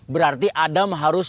berarti adam harus